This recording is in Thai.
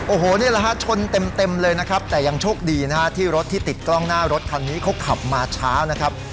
โอ้โหนี่แหละฮะชนเต็มเลยนะครับแต่ยังโชคดีนะฮะที่รถที่ติดกล้องหน้ารถคันนี้เขาขับมาช้านะครับ